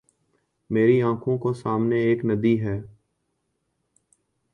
میرے آنکھوں کو سامنے ایک ندی ہے